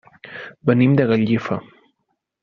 Venim de Gallifa.